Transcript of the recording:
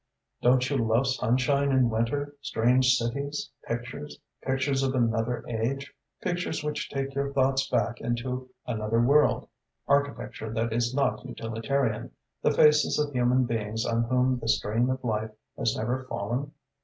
Don't you love sunshine in winter, strange cities, pictures, pictures of another age, pictures which take your thoughts back into another world, architecture that is not utilitarian, the faces of human beings on whom the strain of life has never fallen?